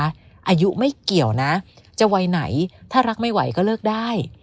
อายุไม่เกี่ยวนะจะวัยไหนถ้ารักไม่ไหวก็เลิกได้